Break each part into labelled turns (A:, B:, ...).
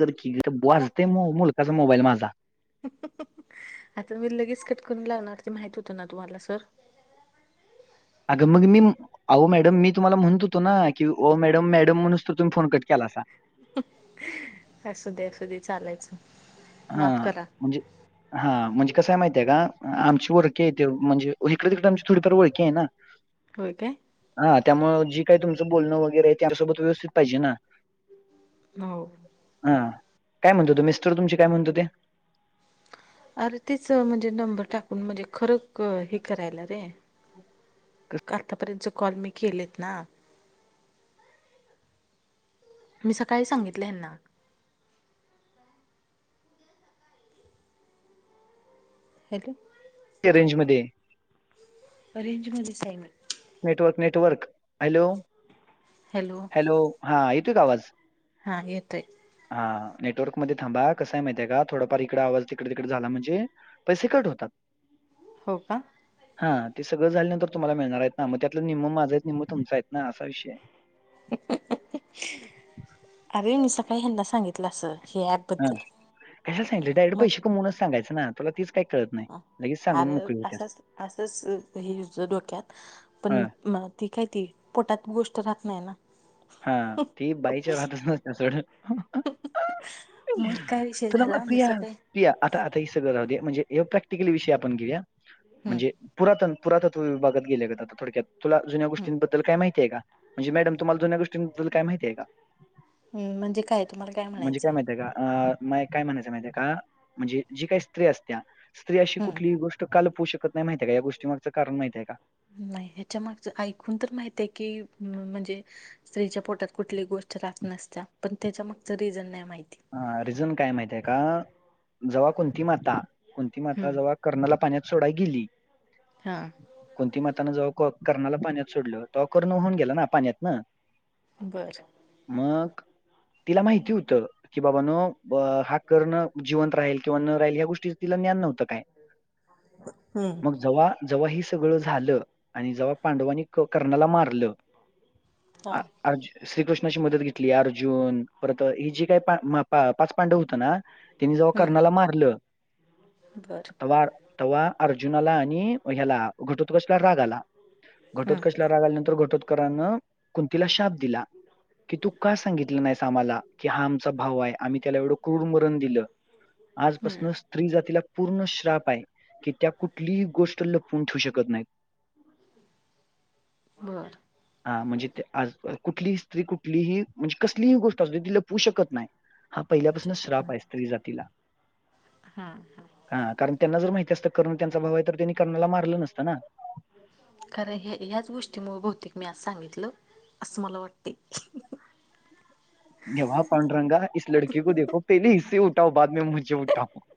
A: कर की गं
B: का?
A: वाजतय मोब मुलकाचा मोबाईल माझा.
B: आता मी लगेच कट करून लावणार होते, माहित होतं ना तुम्हाला सर.
A: अगं मग मी अहो मॅडम मी तुम्हाला म्हणत होतो ना, की ओ मॅडम मॅडम म्हणूनसतो तुम्ही फोन कट केलासा.
B: असू दे, असू दे चालायचं.
A: हा,
B: माफ करा
A: म्हणजे. हा म्हणजे कसंय माहिते हे का, आमची ओळखी आहे ते म्हणजे हिकडं तिकडं आमची थोडीफार ओळखी आहे ना.
B: होय काय.
A: हां त्यामुळं जे काही तुमचं बोलणं वगैरेय ते, आमच्या सोबत व्यवस्थित पाहिजे ना.
B: हो.
A: हा काय म्हणत होते मिस्टर तुमचे, काय म्हणत होते.
B: अरे तेच म्हणजे, नंबर टाकून म्हणजे खरं हे करायला रे. आतापर्यंतच कॉल मी केलेत ना. मी सकाळी सांगितले हेना. हॅलो.
A: रेंजमध्ये ये
B: अ रेंजमध्येच आहे. [unintelligible]
A: नेटवर्क नेटवर्क हॅलो हॅलो हा येतोय का आवाज?
B: हा येतोय.
A: हा नेटवर्क मध्ये थांबा कसा आहे माहितय का थोडाफार इकडं आवाज तिकडे तिकडे झाला म्हणजे पैसे कट होतात.
B: हो का.
A: हा ते सगळं झाल्यानंतर तुम्हाला मिळणार आहेत ना मग त्यातलं निम्म माझा निम्म तुमचा आहेत ना असा विषय आहे.
B: अरे मी सकाळी यांना सांगितलं असं हे ॲप
A: हा कश्याला सांगित डायरेक्ट पैसे कमवूनच सांगायचं ना तुला तेच काय कळत नाही. लगेच सांगून
B: अरे
A: मोकळी होत्यास.
B: असंच असंच हे हेच्या डोक्यात पण
A: हां,
B: मग ती काय ती पोटात गोष्ट राहत नाही ना.
A: हा ती बाईच्या राहतच नसत्या सोड.
B: मग काय विषय
A: तुला म
B: झाला मी
A: प्रिया
B: सकाळी
A: पिया आता ही सगळं राहू दे म्हणेजे एक प्रॅक्टिकली विषय आपण घेऊया.
B: हम्म
A: म्हणजे पुरातन पुरातत्व विभागात गेल्यागत आता थोडक्यात तुला जुन्या गोष्टींबद्दल काय माहितीय आहे का? म्हणजे मॅडम तुम्हाला जुन्या गोष्टींबद्दल काय माहिती आहे का?
B: हम्म म्हणजे काय तुम्हाला काय म्हणायचं?
A: ते का अ माय काय म्हणायचं माहिती आहे का म्हणजे जी काही स्त्री असत्या स्त्री अशी
B: हम्म
A: कुठलीही गोष् लपवू शकत नाही माहितीये का या गोष्टी मागचं कारण माहित आहे का?
B: नाही ह्याच्या मागच ऐकून तर माहित आहे की म्हणजे स्त्रीच्या पोटात कुठली गोष्ट राहत नसत्या पण त्याच्या मागचा रिझन नाही माहिती.
A: हा रिझन काय माहित आहे का जेव्हा कुंती माता कुंती माता
B: हम्म
A: जव्हा कर्णला पाण्या सोडाय गेली
B: हा
A: कुंती माताने जव्हा कर्णाला पाण्यात सोडल तो कर्ण होऊन गेला ना पाण्यातनं
B: बरं
A: मग तिला माहिती होतं की बाबा नो ब हा कर्ण जिवंत राहील किंवा न राहील ह्या गोष् टीचा तिला ज्ञान नव्हतं काय
B: हम्म
A: मग जव्हा जव्हा हे सगळं झालं आणि जव्हा पांडवांनी क कर्णाला मारलं
B: हा
A: अ अ अज श्रीकृष्णाची मदत घेतली अर्जुन परत ही जी ते प म पाच पांडव होतं ना त्यांनी जव्हा कर्णाला मारलं
B: बरं
A: तव्हा तव्हा अर्जुनाला आणि ह्याला घटोत्कचला राग आला
B: हम्म
A: घटोत्कच ला रागाल्यानंतर घटोतकरांनं कुंतीला शाप दिला. कि तू का सांगितली नाहीस आम्हाला की हा आमचा भाव आहे आम्ही त्याला एवढं क्रूर मरण दिलं.
B: हम्म
A: आजपासनं स्त्री जातीला पूर्ण श्राप आहे की त्या कुठलीही गोष्ट लपून ठेवू शकत नाहीत.
B: बर
A: आं म्हणजे ते आज कुठली स्त्री कुठलीही म्हणजे कसलीही गोष्ट असू दे ती लपवू शकत नाय. हा पहिल्यापासनच
B: शकत
A: श्राप
B: नाही
A: आहे स्त्री जातीला.
B: हा हा
A: हा कारण त्यांना जर माहिती असतं करण त्यांचा भाव आहे तर त्यांनी कर्नाला मारलं नसतं ना.
B: खरं हे ह्याच गोष्टींमुळे बहुतेक मी आज सांगितलं असं मला वाटते.
A: [unintelligible]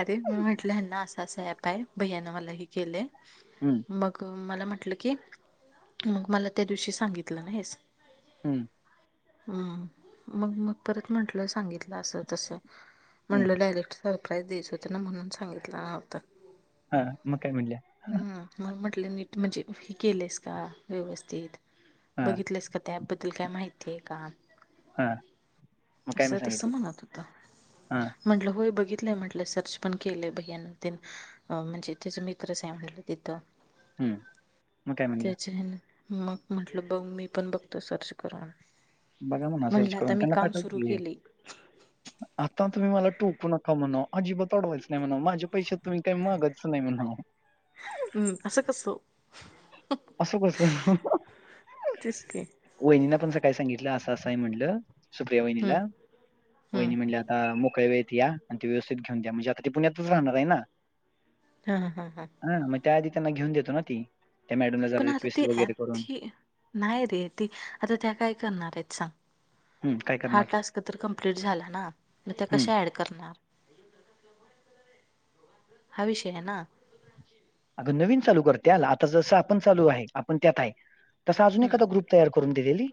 B: अरे मी म्हटलं ह्यांना असा असा ऍप आहे भैयानं मला हे केलंय.
A: हम्म.
B: मग मला म्हटलं की, मग मला त्या दिवशी सांगितलं नाही असं
A: हम्म.
B: हम्म, मग मग परत म्हंटलं सांगितलं असं तसं
A: हम्म
B: म्हणलं डायरेक्ट सरप्राईज द्यायचं होतं ना म्हणून सांगितलं नव्हतं.
A: हां, म काय म्हणले?
B: हम्म, मग म्हटले नीट म्हणजे हे केलेस का व्यवस्थित,
A: हा
B: बघितलंस का? त्या ॲप बद्दल काय माहितीय का?
A: हा मग काय मी
B: असं तसं
A: सांगितलं
B: म्हणत हूतं.
A: हा
B: म्हटलं होय बघितलंय म्हटलं, सर्च पण केलंय भैयान तन, अ म्हणजे त्याच्या मी मित्रच हाय म्हणलं तिथं,
A: हम्म मग काय म्हणलं
B: त्याच्या हेनं मग म्हटलं बघ मी पण बघतो सर्च करून.
A: बघा म्हणाव सर्च
B: म्हटलं आता
A: करून,
B: मी
A: त्यांना
B: काम
A: पाठव
B: सुरू
A: की हे.
B: केलय
A: आता तुम्ही मला टोपू नका म्हणाव, अजिबात अडवायचं नाही म्हणाव, माझे पैसे तुम्ही काय मागाय च नाही म्हणाव.
B: हम्म, असं कसं
A: असं कसं
B: तेच की.
A: वहिनींना पण सकाळी सांगितलं असं असं हाय म्हणलं, सुप्रिया
B: हम्म
A: वहिणीला.
B: हम्म
A: वहिणी म्हणल्या आता मोकळ्या वेळेत या, आणि ते व्यवस्थित घेऊन द्या, म्हणजे आता ती पुण्यातच राहणार आहे ना.
B: हा हा हा.
A: हा, मग त्या आधी त्यांना घेऊन देतो ना ते, त्या मॅडमला जरा
B: पण आता
A: रिक्वेस्ट
B: ते
A: वगैरे करून.
B: ती नाही रे ती, आता त्या काय करणार हायत सांग.
A: हम्म काय
B: हा
A: करणार
B: टास्क तर कंम्पलीट झाला ना, मग त्या
A: हम्म
B: कश्या अँड करणार, हा विषय आहे ना.
A: अगं नवीन चालू करत्याल, आता जसं आपण चालू हाय, आपण त्यात हाय. तसा अजून
B: हम्म
A: एखादा ग्रुप तयार करून दिलेली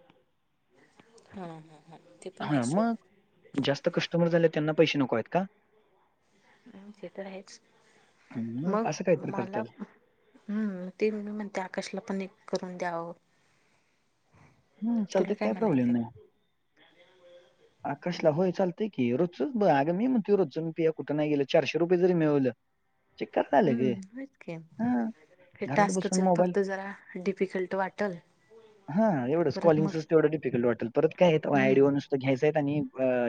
B: हा हा हा, ते पण हायच
A: हा मग
B: सोड.
A: जास्त कस्टमर झाल्याव त्यांना पैसे नको आहेत का.
B: ते तर हायच,
A: हम्म,
B: मग
A: असं काहीतरी करता
B: मला
A: येईल
B: हम्म, ती नीलू म्हणत्या आकाशला पण एक करून द्यावं.
A: हम्म,
B: तुला
A: चालतय काय प्रॉब्लेम
B: म्हणायचं
A: नाई. आकाशला होय चालतय की रोजच, अगं मी म्हणतो रोज मी कुठ नाही गेलं चारशे रुपय जरी मिळवलं चिककर झाल गं,
B: हम्म होच की
A: हां.
B: हे
A: घरात
B: टास्कच
A: बसून मोबाईल
B: फक्त जरा, डिफिकल्ट वाटल.
A: हा एवढंच,
B: परत मग
A: कॉलीगचच तेवढं डिफिकल्ट वाटल परत काय हाय तवा
B: हम्म
A: आयडिवरनं घ्यायचं हायत आणि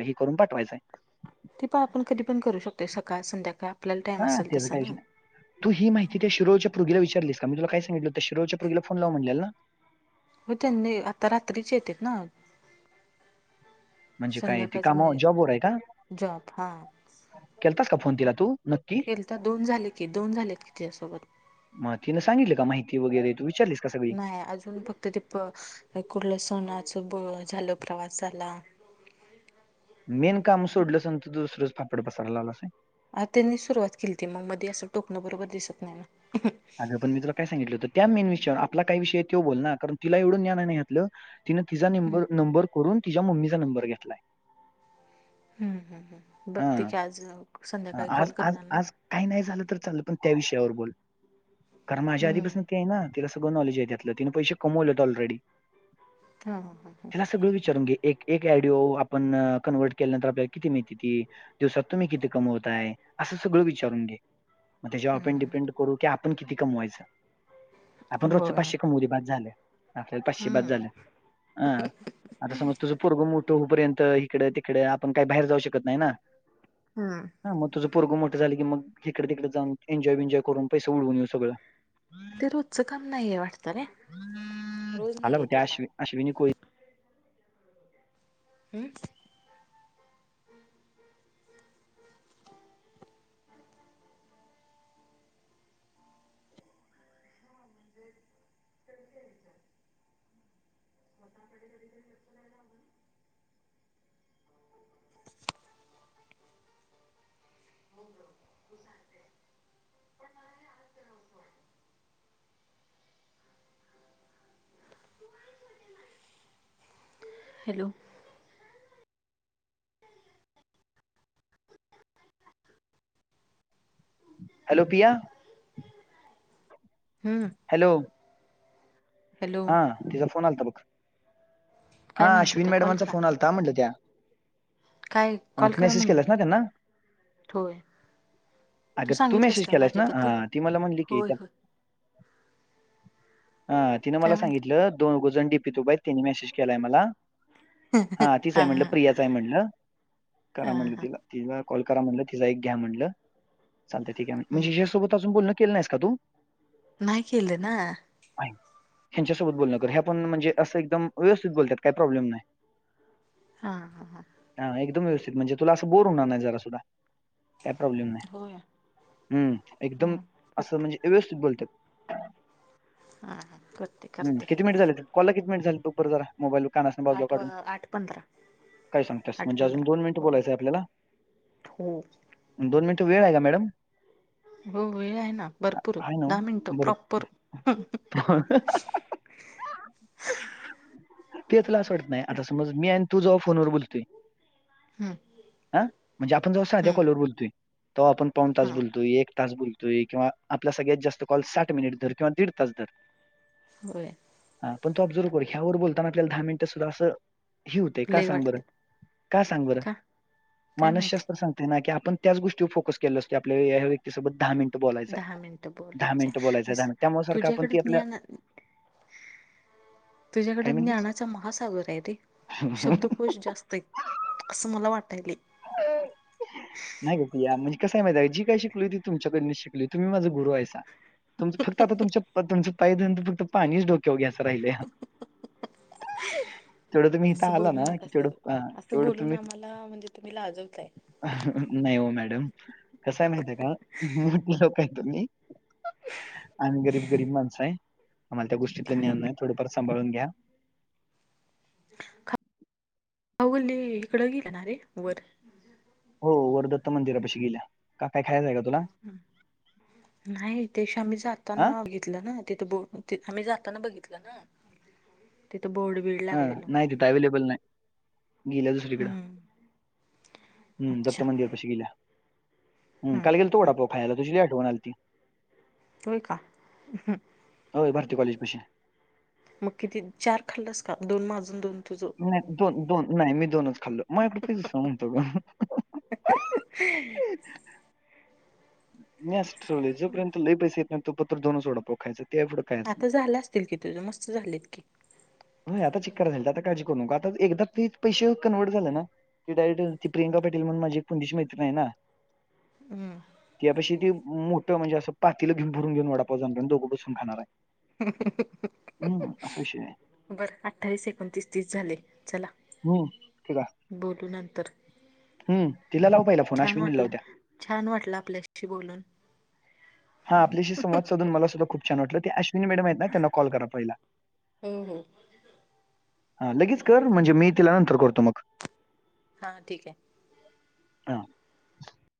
A: हे करून पाठवायचाय.
B: ते पण आपण कधी पण करू शकतोय सकाळ संध्याकाळ आपल्याला टाईम
A: हां,
B: असल
A: त्याचं
B: तसं
A: काहीच
B: ना.
A: नाही. तू ही माहिती त्या शिरोळच्या पुरगीला विचारलीस का, मी तुला काय सांगितलं हुतं, शिरोळच्या पुरगीला फोन लाव म्हणलेलं ना.
B: हो त्यांनी, आता रात्रीच येतेत ना.
A: म्हणजे काय ते
B: संध्याकाळचं
A: काम
B: म्हणजे
A: जॉबवर आहे का,
B: जॉब हा
A: केलतास का फोन तिला तू? नक्की?
B: केलता, दोन झाले की दोन झालेत की तिच्यासोबत.
A: मग तिनं सांगितलं का माहिती वगैरे, तू विचारलीस का सगळी?
B: त ती प कुठलं सणाचं झालं, प्रवास झाला
A: मेन काम सोडलंस अन तु दुसरचं फापड पसार लावलास वय.
B: अ त्यांनी सुरुवात केलीती मग मध्ये असं टोकणं बरोबर दिसत नाही ना.
A: अगं, पण मी तुला काय सांगितलं होत त्या मेन विषयावर आपला काय विषय आहे तो बोल ना, कारण तिला एवढ ज्ञान आहे ना यातलं तिनें तिचा
B: हम्म
A: नेबर नंबर करून तिच्या मम्मीचा नंबर घेतलाय.
B: हम्म्म हम्म्म हम्म्म बघते
A: हां.
B: की आज संध्याकाळी कॉल करणार ना
A: काय नाही झालं तर चाललं पण त्या विषयावर बोल, कारण माझ्या
B: हम्म
A: आधीपासन ती आहे ना. तिला सगळ नॉलेज आहेे त्यातल तिने पैसे कमवल्यात ऑल रेडी.
B: हा हा ह
A: तीला सगळं विचारून घे, एक एक ॲडिओ आपण कन्वर्ट केल्यानंतर आपल्याला किती मिळत्याती, दिवसात तुम्ही किती कमवताय, असं सगळं विचारून घे. म त्याच्यावर आपण डिपेंड करू की आपण किती कमवायचं. आपण रोजच
B: होय
A: पाचशे कमवुदे बास झाल, आपल्याला पाचशे बास
B: हम्म
A: झाल, अ आता समज तुझ पोरग मोठ हुं पर्यंत इकडं तिकड आपण काही बाहेर जाऊ शकत नाही ना
B: हम.
A: ह मग तुझ पोरग मोठं झालं की मग हिकडं तिकड जाऊन एन्जॉय विनजॉय करून पैस उडवून येऊ सगळं.
B: ते रोजचं काम नाहीेय वाटत रे, रोज
A: आला बघ
B: नाहीये ते
A: त्या
B: काम.
A: अश्विन अश्विनी कोळी
B: हम? [inaudible] [inaudible] हॅलो.
A: हॅलो पिया
B: हम्म.
A: हॅलो.
B: हॅलो
A: हा तिचा फोन आलता बघ,
B: काय
A: हा
B: म्हणतो
A: अश्विन
B: त्या कॉल
A: मॅडमांचा
B: करा
A: फोन आलता म्हनलं त्या.
B: काय
A: अ
B: कॉल
A: तु
B: करा
A: मेसेज
B: म्हणून
A: केलास ना त्यांना?
B: होय
A: अगं तू
B: सांगितलंस
A: मेसेज
B: काय
A: केलायस ना?
B: माझ्याबद्दल
A: अ ती मला म्हणली की,
B: होय
A: त्या
B: होय
A: हा तिनं
B: काय
A: मला
B: म्हटलं
A: सांगितलं दोघ जण डीपी त उभा आहेत त्यांनी मेसेज केलाय मला हा तीच आहे म्हटलं, प्रियाच आहे म्हणलं, करा
B: हा
A: म्हटलं
B: हा
A: तिला. तिला कॉल करा म्हणलं, तिला एक घ्या म्हटलं, चालतय ठीक आहे म्हणजे
B: हम्म
A: हिच्या सोबत आजून बोलण केलं नाहीस का तू?
B: नाही केल ना.
A: आहे ह्यांच्यासोबत बोलणं कर, ह्या पण म्हणजे असं एकदम व्यवस्थित बोलत्यात काय प्रॉब्लेम नाय.
B: हा हा हा.
A: हा एकदम व्यवस्थित, म्हणजे तुला असं बोर होणार नाही जरा सुद्धा, काय प्रॉब्लेम नाय.
B: होय
A: हम्म एकदम
B: हम्म
A: असं म्हणजे व्यवस्थित बोलत्यात.
B: हां हां.
A: हम किती मिनिट झालेत कॉलला किती मिनिट झालेत बग बरं जरा, मोबाईल कानासन बाजूला
B: आठ वा
A: काढून.
B: आठ पंधरा
A: काय सांगतेस?
B: आठ
A: म्हणजे अजून
B: पंधरा
A: दोन मिनट
B: हो
A: बोलायचंय आपला.
B: हो.
A: दोन मिनट वेळ हाय का मॅडम?
B: हो वेळ आहे ना भरपूर,
A: आहे ना ओ.
B: दहा मिनटं,
A: बरं
B: प्रॉपर.
A: [inaudible] पिया तुला असं वाटत नाही, आता समज मी आणि तु जवा फोनवर बोलतोय
B: हम्म.
A: हा, म्हणजे आपण जवा साध्या
B: हम्म
A: कॉलवर बोलतोय तवा आपण पाऊन तास
B: हा
A: बोलतोय, एक तास बोलतो तुई किंवा, आपला सगळ्यात जास्त कॉल साठ मिनिट धर किंवा दीड तास धर.
B: होय.
A: ह पण तो ऑबझर्व्ह कर ह्यावर बोलताना, आपल्याला दहा मिनट सुद्धा असं. ही होते. का
B: लय
A: सांग बरं,
B: वाटते
A: का सांग बरं
B: का काय
A: मानसशास्त्र
B: माहिती
A: सांगते ना की आपण, त्यांच गोष्टीवर फोकस केलंलो असतोय. आपल्या ह्या व्यक्तीसोबत दहा मिनिटं बोलायचाय
B: दहा मिनिटं
A: दहा
B: बोलायचंय
A: मिनट
B: नाही
A: बोलायचय. दहा मिट त्यामुळे सारखं आपण
B: तुझ्याकडे
A: ती आपल्या, काय
B: तुझ्याकडं
A: म्हणलीस
B: ज्ञानाचा महासागर आहे. रे शब्द कोश जास्त आहेत, असं मला वाटायले.
A: या म्हणजे कसं आहे माहितय जे काय शिकलोय ते, तुमच्यांकडन शिकलोय तुम्ही माझं गुरु आहेसा. तुमचं फक्त आता तुमचं पायं धून फक्तं, पाणीच डोक्यावर घ्यायचं राहिलंया हा. तेवढं तुम्ही
B: असं
A: इथं आला ना, की तेवढं तेवढं तुम्ही.
B: मला म्हणजे, तुम्ही लाजवताय.
A: नाही ओ मॅडम. कसय माहिते का, मोठी लोकं आहे तुम्ही. आम्ही गरीब गरीब माणसं आहे, आम्हाला त्या गोष्टीतलं ज्ञान नाही
B: हा
A: थोडंफार सांभाळून घ्या.
B: खा [unintelligible] खाऊ गल्ली हिकडं गेल्याणा रे वर.
A: हो, वर दत्त मंदिरापाशी गेल्या. का, काय खायचा का. तुला
B: नाही ते दिवशी आम्ही
A: हा
B: जाताना बघित तल ना तिथ बोर्ड आम्ही जाताना बघितल ना. तिथं बोर्ड बिर्ड.
A: हा नाही तिथं अव्हेलेबल नाही, गेल्या दुसरीकडं.
B: हम्म
A: हम, दत्त
B: अच्छा
A: मंदिर. तशी गेल्या
B: हम्म
A: काल गेलतो वडा पाव खायला, तुझी लय आठवण आलती.
B: होय का हम.
A: होय भारती कॉलेज पशी.
B: मग किती चार खाल्लंस का, दोन माझं आन दोन. तुझं
A: नाय दोन दोन नाय मी दोनच खाल्लो, माझ्याकडं पैसे नव्हतं गं.
B: [inaudible]
A: मी असं ठरवलंय. जोपर्यंत लई पैसे येत नाही, तो पर्यंत दोनच वडा पाव खायचं.
B: आता
A: नाही
B: झालं असतील की, तुझं मस्त झालेत की.
A: व्हयं आता चिक्कार झालेत. आता काळजी करू नको, आता एकदा ते पैसे कन्व्हर्ट झालं ना. ती डायरेक्ट ती प्रियंका पाटील म्हणून, माझी एक पुणेची मैत्रीण नाही ना.
B: हम्म.
A: त्यापाशी जे मोठं म्हणजे, असं पातेलं घेवुन भरून घेऊन वडापाव जाणाराय आणि दोघं बसून खाणाराय.
B: [inaudible]
A: हम्म, असा विषय हाय.
B: बरं अठ्ठावीस, एकोणतीस, तीस झाले चला.
A: हम्म ठीक हाय.
B: बोलू नंतर.
A: हम्म तिला लाव पाहिला फोन,
B: छान
A: अश्विनीला लाव
B: वाटलं
A: त्या.
B: छान वाटलं आपल्याशी बोलून.
A: हा आपल्याशी संवाद साधून मला सुद्धा खूप वाटलं. ते अश्वि अश्विनी मॅडम आहेत ना, त्यांना कॉल करा पहिला.
B: हो हो
A: हा लगेच कर म्हणजे, मी तिला नंतर करतो मग.
B: हा ठीकय.
A: हां.